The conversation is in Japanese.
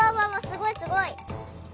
すごいすごい！